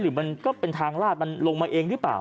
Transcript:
มันก็เป็นทางลาดมันลงมาเองหรือเปล่า